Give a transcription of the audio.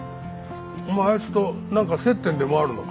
お前あいつとなんか接点でもあるのか？